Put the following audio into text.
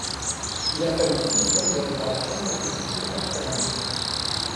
Il a fallu six semaines de réparations pour qu'il puisse repartir en mer.